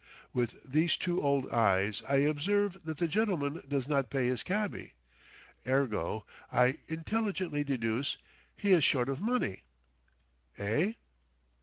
With these two old eyes I observe that the gentleman does not pay his cabby. Ergo I intelligently deduce he is short of money. Eh?"